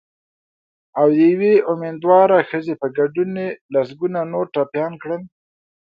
او د یوې امېندوارې ښځې په ګډون لسګونه نور یې ټپیان کړل